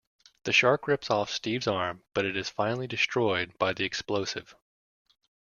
The shark rips off Steven's arm but it is finally destroyed by the explosive.